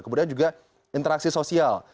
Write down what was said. kemudian juga interaksi sosial